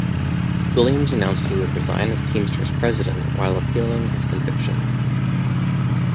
Williams announced he would resign as Teamsters president while appealing his conviction.